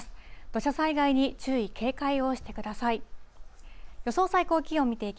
土砂災害に注意、警戒をしてください。